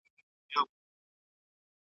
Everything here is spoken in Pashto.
په تولید او تقاضا کي همغږي رامنځته کړئ.